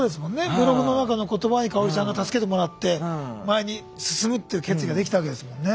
ブログの中の言葉に香さんが助けてもらって前に進むっていう決意ができたわけですもんね。